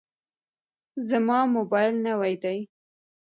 زما موبایل نوی دی.